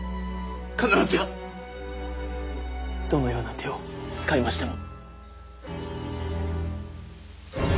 必ずやどのような手を使いましても。